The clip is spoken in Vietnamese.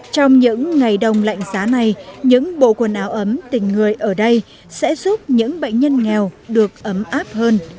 trong những ngày đông lạnh giá này những bộ quần áo ấm tình người ở đây sẽ giúp những bệnh nhân nghèo được ấm áp hơn